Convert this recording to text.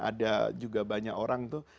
ada juga banyak orang tuh